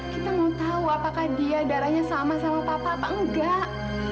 kita mau tahu apakah dia darahnya sama sama papa apa enggak